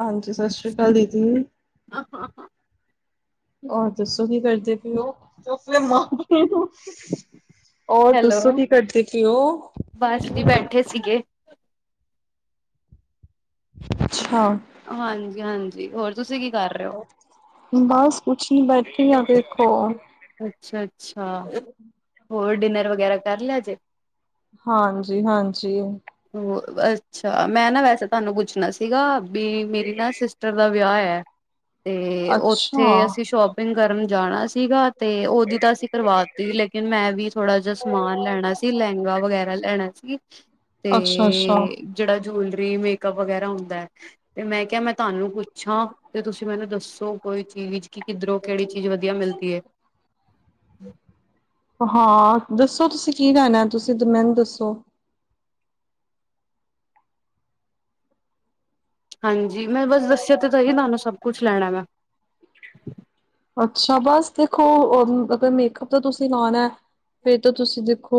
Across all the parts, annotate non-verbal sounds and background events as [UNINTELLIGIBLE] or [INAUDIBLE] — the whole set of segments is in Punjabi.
ਹਾਂਜੀ, ਸਤਿ ਸ੍ਰੀ ਅਕਾਲ ਦੀਦੀ ਹੋਰ ਦੱਸੋ ਕੀ ਕਰਦੇ ਉਹ ਤੇ ਉਸਨੇ ਔਰ ਦੱਸੋ ਹੈਲੋ, ਕੀ ਕਰਦੇ ਪਏ ਔ ਬਸ ਜੀ ਬੈਠੇ ਸੀਗੇ। ਅੱਛਾ ਹਾਂਜੀ -ਹਾਂਜੀ ਹੋਰ ਤੁਸੀਂ ਕੀ ਕਰ ਰਹੇ ਹੋ। ਬਸ ਕੁਛ ਨੀ ਬੈਠੇ ਈ ਆ ਦੇਖੋ ਅੱਛਾ -ਅੱਛਾ ਹੋਰ ਡਿਨਰ ਵਗੈਰਾ ਕਰ ਲਿਆ ਜੇ ਹਾਂਜੀ ਹਾਂਜੀ ਹੋਰ ਅੱਛਾ, ਮੈਂ ਨਾ ਵੈਸੇ ਤੁਹਾਨੂੰ ਪੁੱਛਣਾ ਸੀਗਾ, ਵੀ ਮੇਰੀ ਨਾ ਸਿਸਟਰ ਦਾ ਵਿਆਹ ਹੈ, ਤੇ ਅੱਛਾ ਉੱਥੇ ਅਸੀਂ ਸ਼ੋਪ ਪਿੰਗ ਕਰਨ ਜਾਣਾ ਸੀਗਾ, ਤੇ ਉਹਦੀ ਤਾਂ ਅਸੀਂ ਕਰਵਾਤੀ ਲੇਕਿਨ, ਮੈਂ ਵੀ ਥੋੜਾ ਜਿਹਾ ਸਮਾਨ ਲੈਣਾ ਸੀ, ਲਹਿੰਗਾ ਵਗੈਰਾ ਲੈਣਾ ਸੀ, ਅੱਛਾ ਅੱਛਾ ਤੇ ਜਿਹੜਾ ਜੂਲਰੀ ਮੇਕਅਪ ਵਗੈਰਾ ਹੁੰਦਾਐ ਤੇ ਮੈਂ ਕਿਹਾ, ਮੈਂ ਤਾਂਨੂੰ ਪੁੱਛਾਂ ਤੇ ਤੁਸੀਂ ਮੈਨੂੰ ਦੱਸੋ ਕੋਈ ਚੀਜ਼ ਕਿ ਕਿੱਧਰੋਂ, ਕਿਹੜੀ ਚੀਜ਼ ਵਧੀਆ ਮਿਲਦੀ ਏ ਹਾਂ, ਦੱਸੋ ਤੁਸੀਂ ਕੀ ਲੈਣਾ, ਤੁਸੀਂ ਮੈਨੂੰ ਦੱਸੋ ਹਾਂਜੀ, ਮੈਂ ਬਸ ਦੱਸਿਆ ਤੇ ਹੀ ਤੁਹਾਨੂੰ ਸਭ ਕੁੱਛ ਲੈਣਾ ਮੈਂ ਅੱਛਾ, ਬਸ ਦੇਖੋ ਅਗਰ ਮੇਕਅਪ ਦਾ ਤੁਸੀਂ ਲਾਉਣਾ ਫਿਰ ਤਾਂ ਤੁਸੀਂ ਦੇਖੋ,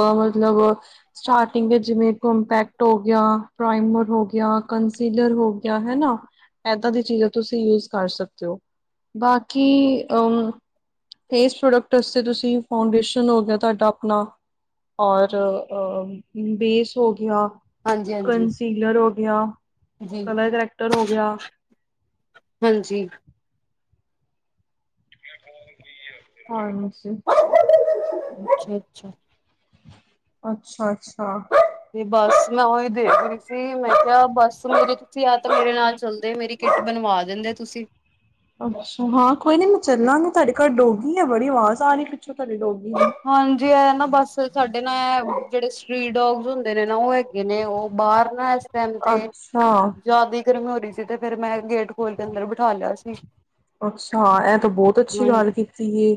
ਅਹ ਮਤਲਬ ਸਟਾਰਟਿੰਗ ਵਿੱਚ ਜਿਵੇਂ ਕੋਮਪੈਕਟ ਹੋ ਗਿਆ, ਪ੍ਰਾਈਮਰ ਹੋ ਗਿਆ ਕੰਸੀਲਰ ਹੋ ਗਿਆ, ਹਨਾ ਏਦਾਂ ਦੀ ਚੀਜ਼ਾਂ ਤੁਸੀਂ ਯੂਜ ਕਰ ਸਕਦੇ ਹੋ। ਬਾਕੀ, ਅ ਫੇਸ ਪ੍ਰੋਡਕਟ ਵਾਸਤੇ ਤੁਸੀਂ ਫਾਊਂਡੇਸ਼ਨ ਹੋ ਗਿਆ, ਤੁਹਾਡਾ ਆਪਣਾ ਔਰ ਅ ਬੇਸ ਹੋ ਗਿਆ, ਹਾਂਜੀ ਹਾਂਜੀ ਕੰਨਸੀਲਰ ਹੋ ਗਿਆ। ਜੀ ਕਲਰ ਰਿਐਕਟਰ ਹੋ ਗਿਆ ਹਾਂਜੀ ਹਾਂ ਨਸੀ ਅੱਛਾ ਅੱਛਾ ਅੱਛਾ ਅੱਛਾ ਤੇ ਬਸ ਮੈਂ ਉਹੀ ਦੇਖ ਰਹੀ ਸੀ ਕੇ ਮੈਂ ਕਿਹਾ, ਬਸ ਮੇਰੀ ਤੁਸੀਂ ਜਾਂ ਤਾਂ ਮੇਰੇ ਨਾਲ ਚੱਲਦੇ, ਮੇਰੀ ਕਿੱਟ ਬਣਵਾ ਦਿੰਦੇ ਤੁਸੀਂ ਅੱਛਾ ਹਾਂ, ਕੋਈ ਨੀ ਮੈਂ ਚੱਲਾਂਗੀ, ਤੁਹਾਡੇ ਘਰ ਡੋਗੀ ਆ ਬੜੀ ਆਵਾਜ਼ ਆ ਰਹੀ ਪਿੱਛੋਂ ਤੁਹਾਡੇ ਡੋਰੀ ਦੀ ਹਾਂਜੀ, ਇਹ ਨਾ ਬਸ ਸਾਡੇ ਨਾ ਇਹ ਜਿਹੜੇ ਸਟਰੀਟ ਡੋਗਸ ਹੁੰਦੇ ਨੇ ਨਾ ਉਹ ਇੱਕ ਹੈਗੇ ਨੇ, ਉਹ ਬਾਹਰ ਨਾ ਇਸ ਟਾਈਮ ਤੇ ਅੱਛਾ, ਜ਼ਿਆਦੀ ਫਿਰ ਮੈਂ ਹੋ ਰਹੀ ਸੀ, ਤੇ ਫੇਰ ਮੈਂ ਗੇਟ ਖੋਲ ਕੇ ਅੰਦਰ ਬਿਠਾ ਲਿਆ ਸੀ। ਅੱਛਾ, ਹਾਂ ਇਹ ਤਾਂ ਬਹੁਤ ਅੱਛੀ ਗੱਲ ਹਾਂਜੀ ਕੀਤੀ ਏ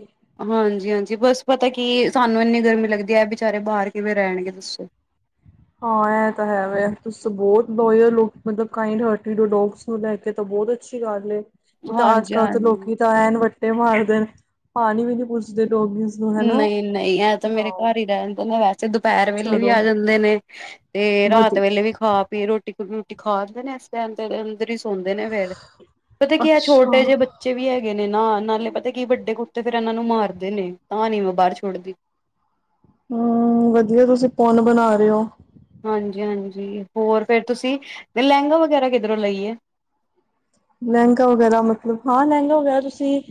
ਹਾਂਜੀ -ਹਾਂਜੀ ਬਸ ਪਤਾ ਕੀ, ਸਾਨੂੰ ਇੰਨੀ ਗਰਮੀ ਲੱਗਦੀ ਹੈ, ਬਚਾਰੇ ਬਾਹਰ ਕਿਵੇਂ ਰਹਿਣਗੇ ਦੱਸੋ ਹਾਂ, ਇਹ ਤਾਂ ਹੈ ਵੇਂ ਤੁਸੀਂ ਬਹੁਤ ਲੋਇਲ ਹੋ ਮਤਲਬ, ਕਾਇੰਡ ਹਾਰਟਡ ਡੋਗਜ ਨੂੰ ਲੈ ਕੇ ਤਾਂ ਬਹੁਤ ਅੱਛੀ ਗੱਲ ਏ, ਇਹ ਤਾਂ ਅੱਜ ਹਾਂਜੀ ਕੱਲ੍ਹ ਤਾਂ ਲੋਕ ਹਾਂਜੀ ਤਾਂ ਐਨ ਵੱਟੇ ਮਾਰਦੇ ਨੇ ਪਾਣੀ ਵੀ ਨਹੀਂ ਪੁੱਛਦੇ ਡੋਗੀਜ਼ ਨੂੰ ਹਨਾ। ਨਹੀਂ -ਨਹੀਂ ਇਹਂ ਤਾਂ ਮੇਰੇ ਹਾਂ ਘਰ ਹੀ ਰਹਿਦੇ ਨੇ ਵੈਸੇ ਤੇ ਦੁਪੈਰ ਵੇਲੇ ਵੀ ਚਲੋ ਆ ਜਾਂਦੇ ਨੇ, ਤੇ ਵਧੀ ਰਾਤ ਵੇਲੇ ਵੀ ਖਾ ਰੋਟੀਕ-ਰੂਟੀ ਖਾ ਕੇ ਨੇ ਇਸ ਟਾਈਮ ਤੇ ਅੰਦਰ ਈ ਸੌਂਦੇ ਨੇ ਫੇਰ ਪਤਾ ਕੀ ਐ ਛੋਟੇ ਅੱਛਾ। ਜੇ ਬੱਚੇ ਬੱਚੇ ਵੀ ਹੈਗੇ ਨੇ ਨਾ, ਨਾਲੇ ਪਤਾ ਕੀ ਵੱਡੇ ਕੁੱਤੇ ਫੇਰ ਇਨਾਂ ਨੂੰ ਮਾਰਦੇ ਨੇ, ਤਾਂ ਨੀ ਮੈਂ ਬਾਰ ਛੋੜਦੀ ਹਂ, ਵਧੀਆ ਤੁਸੀਂ ਪੁੰਨ ਬਣਾ ਰੇ ਔ। ਹਾਂਜੀ, ਹਾਂਜੀ ਹੋਰ ਫਿਰ ਤੁਸੀਂ, ਲਹਿੰਗਾ ਵਗੈਰਾ ਕਿੱਧਰੋਂ ਲਈਏ। ਲੈਂਹਗਾ ਵਗੈਰਾ ਮਤਲਬ ਹਾਂ, ਲੈਹਗਾ ਵਗੈਰਾ ਤੁਸੀਂ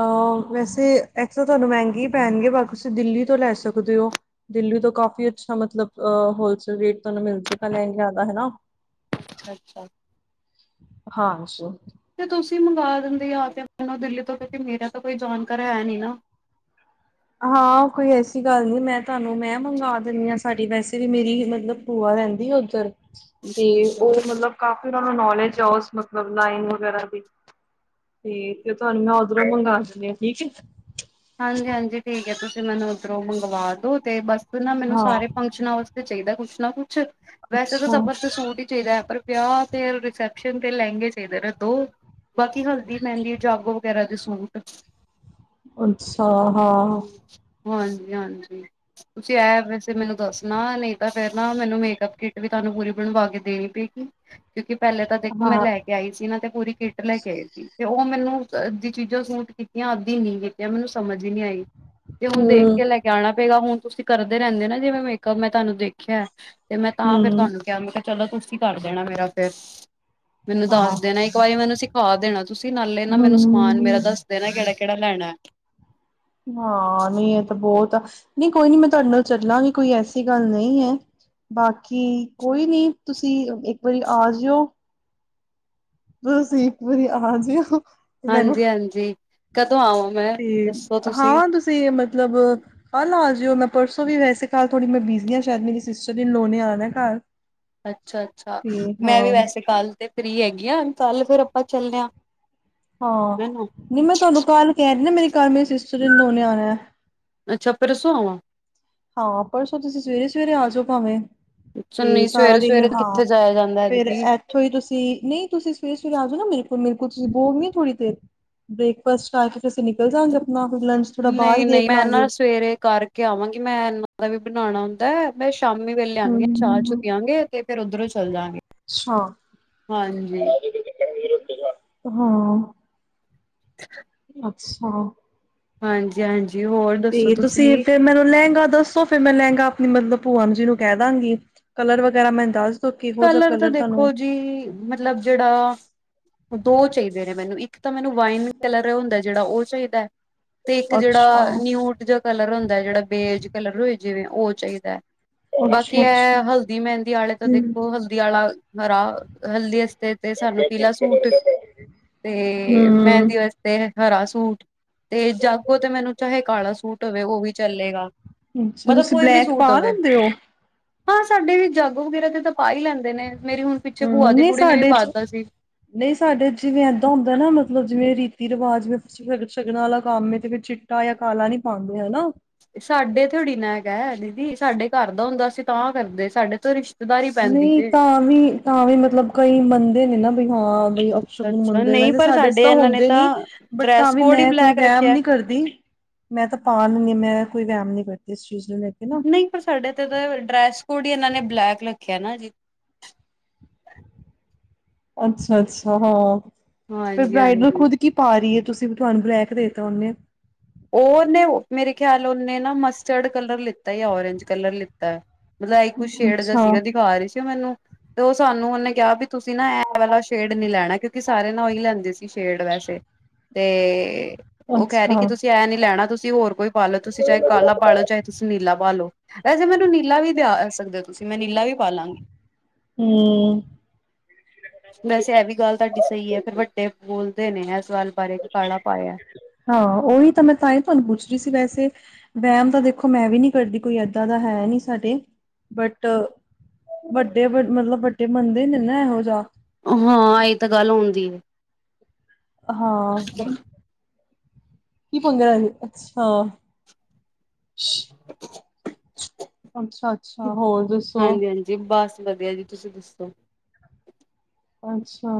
ਅਹ ਵੈਸੇ ਏਥੇ ਤਾਂ ਤੁਹਾਨੂੰ ਮਹਿੰਗੇ ਹੀ ਪੈਣਗੇ ਬਾਕ ਤੁਸੀਂ ਦਿੱਲੀ ਤੋਂ ਲੈ ਸਕਦੇ ਓ। ਦਿੱਲੀ ਤੋਂ ਕਾਫ਼ੀ ਅੱਛਾ ਮਤਲਬ ਅ ਹੋਲਸੇਲ ਰੇਟ ਤੁਆਨੂੰ ਮਿਲ ਜੇਗਾ ਲੈਂਹਗਿਆਂ ਦਾ ਹਨਾਂ। ਅੱਛਾ ਅੱਛਾ। ਹਾਂ ਜੀ। ਤੇ ਤੁਸੀਂ ਮੰਗਵਾ ਦਿੰਦੇ ਆ ਤੇ ਮੈਨੂੰ ਦਿੱਲੀ ਤੋਂ ਕਿਉਂਕਿ ਮੇਰਾ ਤਾਂ ਕੋਈ ਜਾਣਕਾਰ ਹੈ ਨੀ ਨਾ। ਹਾਂ ਕੋਈ ਐਸੀ ਗੱਲ ਨਈਂ ਮੈਂ ਤੁਹਾਨੂੰ ਮੈਂ ਮੰਗਵਾ ਦਿੰਣੀ ਆਂ, ਸਾਡੀ ਵੈਸੇ ਵੀ ਮੇਰੀ ਹੀ ਮਤਲਬ ਭੂਆ ਰੈਂਦੀ ਉੱਧਰ ਤੇ ਉਹ ਮਤਲਬ ਕਾਫੀ ਉਹਨਾਂ ਨੂੰ ਨੌਲੇਜ ਆ ਉਸ ਮਤਲਬ ਲਾਈਨ ਵਗੈਰਾ ਦੀ। ਤੇ ਤੇ ਤੁਹਾਨੂੰ ਮੈਂ ਓਧਰੋਂ ਮੰਗਾਂ ਦਿੰਣੀ ਆਂ ਠੀਕ ਏ। ਹਾਂਜੀ ਹਾਂਜੀ ਠੀਕ ਐ, ਤੁਸੀਂ ਮੈਨੂੰ ਉੱਧਰੋਂ ਮੰਗਵਾ ਦੋ ਤੇ ਬਸ ਨਾ ਮੈਨੂੰ ਹਾਂ ਸਾਰੇ ਕੁਛ ਨਾ ਉਸਤੇ ਚਾਈਦਾ ਕੁਛ ਨਾ ਕੁਛ ਵੈਸੇ ਤਾਂ ਅੱਛਾ ਸਭਤੇ ਸੂਟ ਈ ਚਾਈਦਾ ਐ ਪਰ ਵਿਆਹ ਫਿਰ ਰਿਸੈਪਸ਼ਨ ਤੇ ਲੈਹਂਗੇ ਚਾਈਦੇ ਨੇ ਦੋ ਬਾਕੀ ਹਲ ਦੀ, ਮਹਿੰਦੀ, ਜਾਗੋ ਵਗੈਰਾ ਤੇ ਸੂਟ। ਅੱਛਾ ਹਾਂ। ਹਾਂਜੀ ਹਾਂਜੀ। ਤੁਸੀਂ ਆ ਵੈਸੇ ਮੈਨੂੰ ਦੱਸਣਾ ਨਈਂ ਤਾਂ ਫਿਰ ਨਾ ਮੈਨੂੰ ਮੇਕਅਪ ਕਿੱਟ ਵੀ ਤੁਆਨੂੰ ਪੂਰੀ ਬਣਵਾ ਕੇ ਦੇਣੀ ਪਈ। ਕਿਉਂਕਿ ਪਹਿਲੇ ਤਾਂ ਦੇਖੋ ਮੈਂ ਹਾਂ ਲੈ ਕੇ ਆਈ ਸੀ ਨਾ ਤੇ ਪੂਰੀ ਕਿੱਟ ਲੈ ਕੇ ਆਈ ਸੀ ਤੇ ਓ ਮੈਨੂੰ ਅੱਧੀ ਚੀਜ਼ਾਂ ਸੂਟ ਕੀਤੀਆਂ ਅੱਧੀ ਨੀਂ ਕੀਤੀ ਜਾਂ ਮੈਨੂੰ ਸਮਝ ਨ੍ਹੀਂ ਆਈ ਤੇ ਹੁਣ ਦੇਖ ਹੂੰ ਕੇ ਲੈ ਕੇ ਆਣਾ ਪਏਗਾ ਹੁਣ ਤੁਸੀਂ ਕਰਦੇ ਰੈਂਦੇ ਨਾ ਜਿਵੇਂ ਮੇਕਅਪ ਮੈਂ ਤਾਨੂੰ ਦੇਖਿਆ ਤੇ ਮੈਂ ਤਾਂ ਫੇਰ ਹੂੰ ਤਾਨੂੰ ਕਿਆ, ਮੈਂ ਕਿਆ ਚਲੋ ਤੁਸੀਂ ਕਰ ਦੇਣਾ ਮੇਰਾ ਫਿਰ। ਮੈਨੂੰ ਹਾਂ ਦੱਸ ਦੇਣਾ ਇੱਕ ਵਾਰੀ ਮੈਨੂੰ ਸਿਖਾ ਦੇਣਾ ਤੁਸੀਂ ਨਾਲੇ ਨਾ ਮੈਨੂੰ ਸਮਾਨ ਮੇਰਾ ਹੂੰ ਦੱਸ ਦੇਨਾ ਕੇੜਾ-ਕੇੜਾ ਲੈਣਾ। ਹਾਂ ਨਈਂ ਇਹ ਤਾਂ ਬੋਤ, ਨਈਂ ਕੋਈ ਨੀਂ ਮੈਂ ਤਾਡੇ ਨਾਲ ਚੱਲਾਂਗੀ ਕੋਈ ਐਸੀ ਗੱਲ ਨਈਂ ਐ। ਬਾਕੀ ਕੋਈ ਨ੍ਹੀਂ ਤੁਸੀਂ ਇੱਕ ਵਾਰੀ ਆ ਜੇਓ। ਬਸ ਇੱਕ ਵਾਰੀ ਆ ਜੇਓ। ਹਾਂਜੀ ਹਾਂਜੀ, ਕਦੋਂ ਆਵਾਂ ਮੈਂ ਦੱਸੋ ਤੁਸੀਂ? ਤੇੇ ਮਤਲਬ ਕੱਲ੍ਹ ਆ ਜੇਓ ਮੈਂ ਪਰਸੋਂ ਵੀ ਵੈਸੇ ਕਰ ਥੋੜੀ ਮੈਂ ਬਿਜ਼ੀ ਆਂ ਸ਼ਾਇਦ ਮੇਰੀ ਸਿਸਟਰ-ਇੰਨ-ਲੋ ਨੇ ਆਣਾ ਘਰ। ਅੱਛਾ ਅੱਛਾ, ਤੇ ਮੈਂ ਵੀ ਹਾਂ ਵੈਸੇ ਕੱਲ ਤੇ ਫ੍ਰਰੀ ਹੈਗੀ ਆਂ, ਕੱਲ ਫਿਰ ਆਪਾਂ ਚੱਲਣੇ ਆ? ਹਾਂ ਹਨਾ ਨਈਂ ਮੈਂ ਤਾਨੂੰ ਕੱਲ ਕੈਅ ਰੀ ਨਾ ਮੇਰੀ ਘਰ ਮੇਰੀ ਸਿਸਟਰ-ਇੰਨ-ਲੋ ਨੇ ਆਣਾ ਐ। ਅੱਛਾ ਪਰਸੋਂ ਆਵਾਂ? ਹਾਂ ਪਰਸੋਂ ਤੁਸੀਂ ਸਵੇਰੇ-ਸਵੇਰੇ ਆ ਜਓ ਭਾਵੇਂ। ਅੱਛਾ ਤੇ ਨਹੀਂ ਸਾਰਾ ਸਵੇਰੇ ਦਿਨ ਸਵੇਰੇ ਹਾਂ ਕਿੱਥੇ ਜਾਇਆ ਜਾਂਦਾ ਹੈ ਫਿਰ ਦੀਦੀ ਏਥ ਈ ਤੁਸੀਂ ਨਈਂ ਤੁਸੀਂ ਸਵੇਰੇ-ਸਵੇਰੇ ਆ ਜੋ ਨਾ ਮੇਰੇ ਕੋਲ ਮੇਰੇ ਕੋਲ ਤੁਸੀਂ ਬੋਗੇ ਨੀਂ ਥੋੜ੍ਹੀ ਦੇਰ। ਬ੍ਰੇਕਫਾਸਟ ਕਰਕੇ ਫਿਰ ਅਸੀਂ ਨਿਕਲ ਜਾਂਗੇ ਆਪਣਾ ਫਿਰ ਲੰਚ ਥੋੜਾ ਬਾਹਰ ਹੀ ਨਈਂ ਨਈਂ ਦੇਖ ਮੈਂ ਲਾਂਗੇ ਨਾ ਸਵੇਰੇ ਕਰ- ਕੇ ਆਵਾਂਗੀ ਮੈਂ ਇਹਨਾਂ ਦਾ ਵੀ ਬਣਾਣਾ ਹੁੰਦਾ ਮੈਂ ਸ਼ਾਮੀ ਵੇਲੇ- ਪਿਆਂਗੇ ਚਾ ਚੂ ਹਮ ਪੀਆਂਗੇ ਤੇ ਫੇਰ ਓਧਰੋਂ ਈ ਚੱਲ ਜਾਂਗੇ ਹਾਂਜੀ! ਕੋਈ ਕੈਂਦਾ ਵੀ ਰਸਤੇ ਚੋ ਆ ਹਾਂ! [INAUDIBLE] ਸਾ ਹਾਂਜੀ, ਹਾਂਜੀ ਹੋਰ ਦੱਸੋ ਤੁਸੀਂ? ਮੈਨੂੰ ਲੈਂਗਾ ਦੱਸੋ ਫੇਰ ਮੈਂ ਲੈਂਗਾ ਆਪਣੀ ਮਤਲਬ ਭੂਆਨ ਜੀ ਨੂੰ ਕੈ ਦਾਂਗੀ? ਕਲਰ ਵਗੈਰਾ ਮੈਨ ਦੱਸ ਦੋ ਕਿਹੋ ਜਿਆ ਤਾਂ ਕਲਰ ਤਾਨੂੰ? ਦੇਖੋ ਜੀ ਮਤਲਬ ਜੇੜਾ ਦੋ ਚਾਈਦੇ ਨੇ ਮੈਨੂੰ ਇੱਕ ਤਾ ਮੈਨੂੰ ਵਾਈਨ ਕਲਰ ਹੁੰਦਾ ਏ ਜੇੜਾ ਓ ਚਾਈਦਾ ਐ। ਤੇ ਇੱਕ ਜੇੜਾ ਅੱਛਾ ਨਿਊਟ ਜਾ ਕਲਰ ਹੁੰਦਾ ਜੇੜਾ ਬੇਜ ਕਲਰ ਹੋਏ ਜਿਵੇਂ ਓ ਚਾਈਦਾ ਐ। ਅੱਛਾ ਅੱਛਾ। ਹਲਦੀ, ਮੈਂਦੀ ਆਲੇ ਤਾਂ ਹਮ ਦੇਖੋ ਹਲਦੀ ਆਲਾ ਹਰਾ ਹਲਦੀ ਆਸਤੇ ਤੇ ਹਮ ਸਾਨੂੰ ਪੀਲਾ ਸੂਟ, ਤੇ ਮਹਿੰਦੀ ਆਸਤੇ ਤੇ ਹਰਾ ਸੂਟ ਤੇ ਜਾਗੋ ਤੇ ਮੈਨੂੰ ਚਾਹੇ ਕਾਲਾ ਸੂਟ ਹੋਵੇ ਓ ਵੀ ਚੱਲੇਗਾ ਤੇ ਅੱਛਾ! ਤੁਸੀ ਬਲੈਕ ਪਾ ਲੈਂਦੇ ੳ? ਹਾਂ ਸਾਡੇ ਵੀ ਜਾੱਗੋ ਵਗੈਰਾ ਤੇ ਤਾ ਪਾ ਈ ਲੈਂਦੇ ਨੇ ਮੇਰੀ ਹੁਨ ਪਿੱਛੇ ਭੂਆ ਦੀ ਕੁੜੀ ਨੇ ਵੀ ਪਾਤਾ ਸੀ। ਨਈ ਸਾਡੇ ਜਿਵੇਂ ਏਦਾਂ ਹੁੰਦਾ ਨਾ ਮਤਲਬ ਜਿਵੇਂ ਰੀਤੀ ਰਿਵਾਜ ਜਿਵੇ ਸ਼ਗਨਾ ਆਲਾ ਕੰਮ ਏ ਤੇ ਫਿਰ ਚਿੱਟਾ ਯਾ ਕਾਲਾ ਨੀ ਪਾਂਦੇ ਹਨਾ। ਸਾਡੇ ਥੋੜੀ ਨਾ ਹੈਗਾ ਏ ਦੀਦੀ ਸਾਡੇ ਘਰ ਦਾ ਹੁੰਦਾ ਅਸੀ ਤਾਂ ਕਰਦੇ ਸ ਸਾਡੇ ਤੋ ਰਿਸ਼ਤੇਦਾਰੀ ਪੈਂਦੀ ਨਹੀਂ ਜੇ। ਤਾਂ ਵੀ ਤਾਂ ਵੀ ਮਤਲਬ ਕਈ ਮੰਨਦੇ ਨੀ ਨਾ। ਹਾਂ ਬਈ ਅਪਸ਼ਗੁਨ ਅੱਛਾ-ਅੱਛਾ ਮਨਦੇ ਨੇ ਨਹੀਂ ਵੈਸੇ ਪਰ ਸਾਡੇ ਚ ਤਾਂ ਇਹਨਾਂ ਨੇ ਹੁੰਦੇ ਨੀ, ਬਟ ਤਾਂ ਡਰੈਸ ਵੀ ਕੋਡ ਹੀ ਮੈਂ ਕੋਈ ਬਲੈਕ ਵੈਮ ਰੱਖਿਆ। ਨੀ ਕਰ ਦੀ ਮੈਂ ਤਾ ਪਾ ਲੈਨੀ ਮੈਂ ਕੋਈ ਵੈਮ ਨੀ ਕਰਦੀ ਇਸ ਚੀਜ਼ ਨੂੰ ਮੈਂ ਨਈ ਪਰ ਸਾਡੇ ਤੇ ਤਾ ਡਰੈਸ ਕੋਡ ਈ ਏਨਾਂ ਨੇ ਬਲੈਕ ਰੱਖੇਆ ਨਾ ਜੀ। ਅੱਛਾ- ਅੱਛਾ ਹਾਂ ਫੇਰ ਬ੍ਰਾਈਡਲ ਹਾਂਜੀ-ਹਾਂਜੀ। ਖੁਦ ਕੀ ਪਾ ਰੀ ਏ ਤੁਸੀ ਵੀ ਤੁਆਨੂੰ ਬਲੈਕ ਦੇ ਤਾ ੳਨੇ। ਓ ਓਨੇ ਮੇਰੇ ਖਿਆਲ ਓਨੇ ਨਾ ਮਸਟਰਡ ਕਲਰ ਲਿੱਤਾ ਏ ਯਾ ਓਰੇਂਜ ਕਲਰ ਲਿੱਤਾ। ਮਤਲਬ ਐ ਕੋਈ ਸ਼ੇਡ ਜੇਆ ਅੱਛਾ ਸੀਗਾ ਦਿਖਾ ਰੀ ਸੀ ਓ ਮੈਨੂੰ। ਤੇ ਓ ਸਾਨੂੰ ਓਨੇ ਕਿਆ ਵੀ ਤੁਸੀਂ ਨਾ ਐ ਵਾਲਾ ਸ਼ੇਡ ਨੀ ਲੈਨਾ ਕਿਉਂਕਿ ਸਾਰੇ ਨਾਲ ਈ ਲੈਂਦੇ ਸੀ ਸ਼ੇਡ ਵੈਸੇ। ਤੇ ਓ ਕੈ ਅੱਛਾ ਰੀ ਹਮ ਕਿ ਏ ਨੀ ਲੈਨਾ ਤੁਸੀਂ ਹੋਰ ਕੋਈ ਪਾ ਲੋ ਤੁਸੀ ਚਾਏ ਕਾਲਾ ਪਾ ਲੋ ਤੁਸੀਂ ਚਾਏ ਨੀਲਾ ਪਾ ਲੋ। ਵੈਸੇ ਮੈਨੂੰ ਨੀਲਾ ਵੀ ਲਿਆ ਦੇ ਸਕਦੇ ੳ ਤੁਸੀ ਮੈ ਨੀਲਾ ਵੀ ਪਾ ਲਾਂਗੀ। ਹੂੰ। ਵੈਸੇ ਐ ਵੀ ਗੱਲ ਤਾਡੀ ਸਈ ਐ ਫਿਰ ਵੱਡੇ ਬੋਲਦੇ ਨੇ ਏਸ ਗੱਲ ਬਾਰੇ ਕਿ ਕਾਲਾ ਪਾਏਆ। ਹਾਂ ਓਹੀ ਤਾਂ ਮੈਂ ਤਾਂ ਈ ਤਾਨੂੰ ਪੁੱਛ ਰੀ ਸੀ ਵੈਸੇ। ਵੈਮ ਤਾਂ ਦੇਖੋ ਮੈਂ ਵੀ ਨੀ ਕਰਦੀ ਕੋਈ ਏਦਾਂ ਦਾ ਹੈ ਨੀ ਸਾਡੇ ਬਟ ਵੱਡੇ ਵਡ ਮਤਲਬ ਵੱਡੇ ਮੰਨਦੇ ਨੇ ਨਾ ਇਹੋ ਜਾ। ਹਾਂ ਏ ਤਾਂ ਗੱਲ ਹੋਂਦੀ ਏ। ਹਾਂ, ਕੀ ਪੰਗਾ ਏ? ਅੱਛਾ। ਅੱਛਾ- ਅੱਛਾ ਹੋਰ ਦੱਸੋ? ਜੀ ਬਸ ਵਦੀਆ ਜੀ ਤੁਸੀਂ ਦੱਸੋ? ਅੱਛਾ!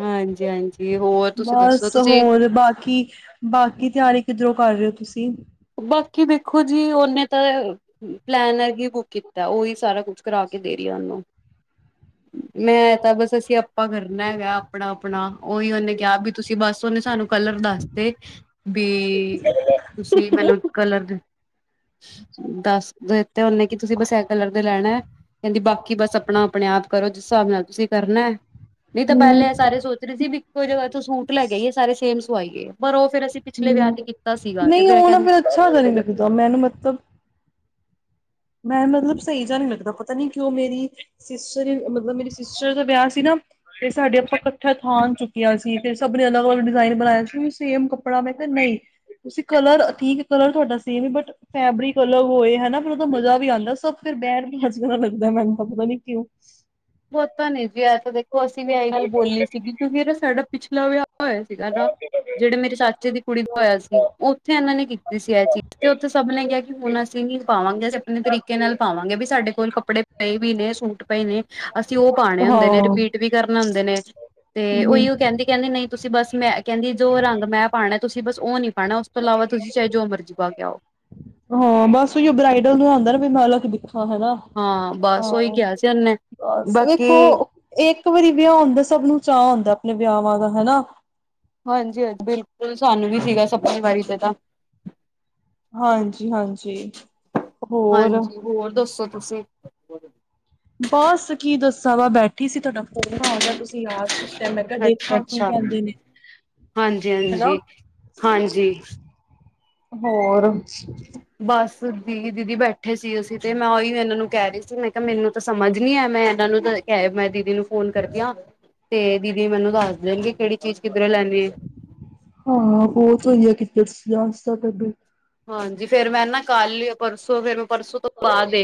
ਹਾਂਜੀ-ਹਾਂਜੀ ਹੋਰ ਤੁਸੀਂ ਦੱਸੋ ਬਸ ਤੁਸੀਂ ਹੋਰ ਬਾਕੀ ਬਾਕੀ ਤਿਆਰੀ ਕਿੱਧਰੋਂ ਕਰ ਰੇ ੳ ਤੁਸੀ? ਬਾਕੀ ਵੇਖੋ ਜੀ ਓਨੇ ਤਾਂ ਪਲੈਨਰ ਕੀ ਬੁੱਕ ਕੀਤਾ ਓਈ ਸਾਰਾ ਕੁਛ ਕਰਾ ਕੇ ਦੇ ਰੀ ਐ ਉਨੂੰ। ਮੈਂ ਤਾਂ ਬਸ ਅਸੀਂ ਆਪਾਂ ਕਰਨਾ ਵਆ ਅਪਨਾ-ਅਪਨਾ ਉਹੀ ਉਹਨੇ ਕਿਹਾ ਵੀ ਤੁਸੀਂ ਬਸ ਉਹਨੇ ਸਾਨੂੰ ਕਲਰ ਦਾੱਸਦੇ ਬੀ ਬੀ ਮੈਨੂੰ ਕਲਰ ਦਾੱਸ ਦਿੱਤੇ ਹੁੰਨੇ ਕਿ ਤੁਸੀਂ ੲਹ ਬਸ ਕਲਰ ਦੇ ਲੈਨਾ ਕਹਿੰਦੀ ਬਾਕੀ ਬਸ ਆਪਨਾ ਅਪਨੇ ਆਪ ਕਰੋ ਜਿਸ ਹਿਸਾਬ ਨਾਲ ਤੁਸੀਂ ਕਰਨਾ, ਨੀ ਤਾਂ ਹਮ। ਪਹਿਲੇ ਸਾਰੇ ਸੋਚ ਅਸੀ ਵੀ ਇੱਕੋ ਜਗ੍ਹਾ ਤੋ ਸੂਟ ਲੈਕੇ ਆਈਏ ਸਾਰੇ ਸੇਮ ਸਵਾਇਯੇ। ਪਰ ਉਹ ਫ਼ੇਰ ਅਸੀਂ ਪਿਛਲੇ ਵਿਆਹ ਤੇ ਕੀਤਾ ਸੀਗਾ ਤੇ ਨਹੀਂ ਫੇਰ ਉਹ ਨਾ ਕਹਿੰਦੇ ਅੱਛਾ ਦਾ ਨੀ ਲੱਗਦਾ ਮੈਨੂੰ ਮਤਲਬ ਮੈਂ ਮਤਲਬ ਸਈ ਜਾ ਨਈ ਲੱਗਦਾ, ਪਤਾ ਨੀ ਕਿਉ ਮੇਰੀ ਸਿਸਟਰ ਮਤਲਬ ਮੇਰੀ ਸਿਸਟਰ ਦਾ ਵਿਆਹ ਸੀ ਨਾ ਤੇ ਸਾਡੇ ਆਪਾਂ ਇਕੱਠਾ ਥਾਂਨ ਚੁੱਕੇਆ ਸੀ। ਫੇਰ ਤੇ ਸਭ ਨੇ ਅਲੱਗ-ਅੱਲਗ ਡਿਜ਼ਾਇਨ ਬਨਾਏ ਸੀ ਸੇਮ ਕਪ ੜਾ ਮੈਂ ਕਿਹਾ ਨਈ, ਤੁਸੀਂ ਕਲਰ ਠੀਕ ਕਲਰ ਤੁਹਾਡਾ ਸੇਮ ਬਟ ਫੈਬਰਿਕ ਅਲੱਗ ਹੋਏ ਹਨਾ ਤੇ ਮਜ਼ਾ ਵੀ ਆਂਦਾ ਸਭ ਫੇਰ ਬੈਗ ਵੀ ਬਣਾ ਸੋਨਾ ਲੱਗਦਾ ਮੈਨੂੰ ਤਾਂ ਪਤਾ ਨੀ ਕਿਉਂ। ਪਤਾ ਨੀ ਜੀ ਆ ਤੇ ਦੇਖੋ ਅਸੀਂ ਵੀ ੲਹਈ ਗੱਲ ਬੋਲੀ ਸੀਗੀ ਕਿਉਂਕਿ ਇਹ ਸੜਕ ਪਿਛਲਾ ਵਿਆਹ ਹੋਇਆ। [UNINTELLIGIBLE] ਸੀਗਾ ਨਾ। ਜਿਹੜੇ ਮੇਰੇ ਚਾਚੇ ਦੀ ਕੁੜੀ ਦਾ ਹੋਏਆ ਸੀ। ਉੱਥੇ ਇਹਨਾਂ ਨੇ ਕੀਤੀ ਸੀ ਇਹ ਚੀਜ਼, ਤੇ ਉੱਥੇ ਸਭ ਨੇ ਕਿਹਾ ਕਿ ਹੁਨ ਅ ਅਸੀਂ ਨੀ ਪਾਵਾਂਗੇ, ਅਸੀਂ ਆਪਨੇ ਤਰੀਕੇ ਨਾਲ ਪਾਵਾਂਗੇ ਬਈ ਸਾਡੇ ਕੋਲ ਕੱਪੜੇ ਪਏ ਵੀ ਨੇ ਸੂਟ ਪਏ ਨੇ। ਅਸੀਂ ਉਹ ਪਾਉਣੇ ਹੁੰਦੇ ਨੇ, ਰਿਪੀਟ ਵੀ ਕਰਨੇ ਹੁੰਦੇ ਨੇ, ਤੇ ਉਹੀਓ ਕਹਿੰਦੀ ਕਹਿੰਦੀ ਨਈ ਤੁਸੀਂ ਬਸ ਮੈਂ ਕਹਿੰਦੀ ਜੋ ਰੰਗ ਮੈਂ ਪਾਉਣਾ ਤੁਸੀਂ ਬਸ ਉਹ ਨਹੀਂ ਪਾਉਣਾ ਉਸ ਤੋਂ ਇਲਾਵਾ ਤੁਸੀਂ ਚਾਹੇ ਜੋ ਮਰਜ਼ੀ ਪਾਕੇ ਆਉ। ਹਾਂ ਬਸ ਉ ਬਰਾਈਡਲ ਨੂੰ ਆਉਂਦਾ ਨਾ ਮੈਂ ਅੱ ਦੇਖਣਾ ਹੈਾ ਹਾਂ ਬਸ ਉਓਹੀ ਕਿਹਾ ਸੀ ਉਹਨੇ। ਬਸ ਵੇਖੋ ਬਾਕੀ ਇੱਕ ਵਾਰੀ ਵਿਆਹ ਹੁੰਦਾ ਸਭ ਨੂੰ ਚਾਅ ਹੁੰਦਾ ਆਪਣੇ ਵਿਆਹ ਵਾਂ ਦਾ ਹਨਾ। ਹਾਂਜੀ-ਹਾਂਜੀ ਬਿਲਕੁਲ ਸਾਨੂੰ ਵੀ ਸੀਗਾ ਸਪੇ ਵਾਰੀ ਤੇ ਤਾਂ। ਹਾਂਜੀ ਹਾਂਜੀ ਹੋਰ ਹਾਂਜੀ ਹੋਰ ਦੱਸੋ ਤੁਸੀਂ। ਬਸ ਕੀ ਦੱਸਾਂ ਵਾ ਬੈਠੀ ਸੀ ਤੁਹਾਡਾ ਫੋਨ ਹੋ ਜਾਹਾ ਤੁਸੀਂ ਯਾਦ। ਕਹਿਣ ਲੱਗਾ ਅੱਛਾ ਦੇਖੋ ਕੀ ਅੱਛਾ ਕਹਿੰਦੇ ਨੇ? ਹਾਂਜੀ ਹਨਾ। -ਹਾਂਜੀ -ਹਾਂਜੀ। ਹੋਰ। ਬਸ ਦੀ ਦੀਦੀ ਬੈਠੇ ਸੀ ਅਸੀਂ ਤੇ ਮੈਂ ਉਹੀ ਇਹਨਾਂ ਨੂੰ ਕਹਿ ਰਹੀ ਸੀ ਮੈਂ ਕਿਹਾ ਮੈਨੂੰ ਤਾਂ ਸਮਝ। ਮੈਂ ਇਹਨਾਂ ਨੂੰ ਤਾਂ ਕ ਮੈਂ ਦੀਦੀ ਨੂੰ ਫੋਨ ਕਰਦੀ ਆ। ਤੇ ਦੀਦੀ ਮੈਨੂੰ ਦੱਸ ਦੇਣਗੇ ਕਿਹੜੀ ਚੀਜ਼ ਕਿਧਰੇ ਲੈਦੇ ਏ? ਹਾਂ ਬਹੁਤ ਹੋਆ ਕਿਿਕਟ ਜਾਂਸ ਤੁ। ਹਾਂਜੀ ਫੇਰ ਮੈਂ ਨਾ ਕੱਲ ਪਰਸੋਂ ਫੇਰ ਮੈਂ ਪਰਸੋਂ ਤੋਂ ਬਾਅਦ ਦ।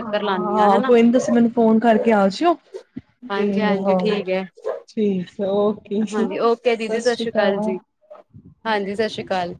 ਹਾਂ -ਹਾਂ ਕੋਈ ਨੀ ਤੁਸੀਂ ਮੈਨੂੰ ਫੋਨ ਕਰਕੇ ਆ ਜਾਿਓ। ਹਾਂਜੀ -ਹਾਂਜੀ ਠੀਕ ਹੈ। ਠੀਕ ਹੈ ਓਕੇ ਜੀ ਹਾਂਜੀ ਓਕੇ ਦੀਦੀ ਸਤਿ ਸ਼੍ਰੀ ਅਕਾਲ ਜੀ ਹਾਂਜੀ ਸਤਿ ਸ਼੍ਰੀ ਅਕਾਲ।